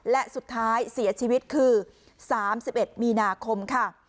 และสุดท้ายเสียชีวิตคือ๓๑มีนาคมค่ะ